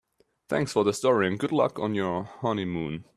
Thanks for the story and good luck on your honeymoon.